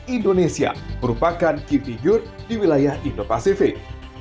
indonesia merupakan key figure di wilayah indo pasifik